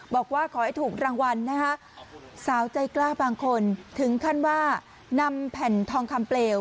บอกว่าขอให้ถูกรางวัลนะคะสาวใจกล้าบางคนถึงขั้นว่านำแผ่นทองคำเปลว